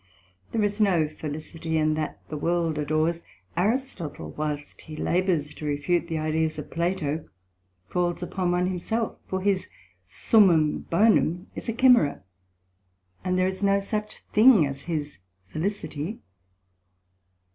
There is no felicity in that the World adores: Aristotle whilst he labours to refute the Idea's of Plato, falls upon one himself: for his summum bonum is a Chimæra, and there is no such thing as his Felicity.